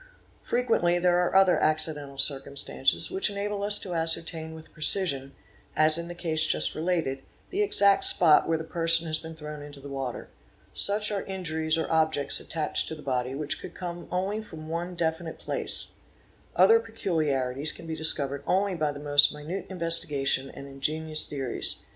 Frequently there are other accidental circumstances which enable us to ascertain with precision, as in the case just related, the exact spot where the person has been thrown into the water; such are injuries or objects attached to the body which could come only from one definite 'place; other peculiarities can be discovered only by the most minute 'investigations and ingenious theories.